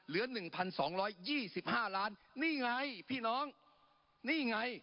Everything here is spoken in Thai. ล้านเหลือหนึ่งพันสองร้อยยี่สิบห้าร้านนี่ไงพี่น้องนี่ไง